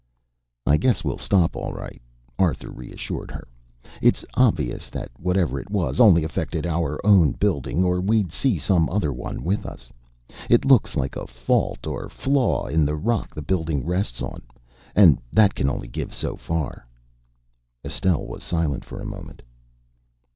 "I guess we'll stop all right," Arthur reassured her. "It's obvious that whatever it was, only affected our own building, or we'd see some other one with us. It looks like a fault or a flaw in the rock the building rests on. And that can only give so far." Estelle was silent for a moment.